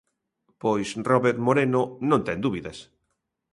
Pois Robert Moreno non ten dúbidas.